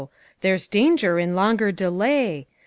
There's danger in longer delay!